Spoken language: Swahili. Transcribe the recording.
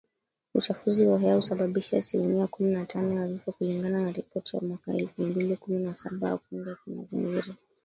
Uchafuzi wa hewa husababisha asilimia kumi na tano ya vifo kulingana na ripoti ya mwaka elfu mbili kumi na saba ya kundi la kimazingira